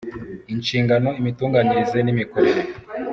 Inshingano, imitunganyirize n’imikorere